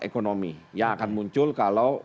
ekonomi yang akan muncul kalau